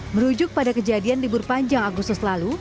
merujuk pada kejadian libur panjang agustus lalu